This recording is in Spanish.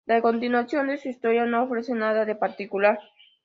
La continuación de su historia no ofrece nada de particular.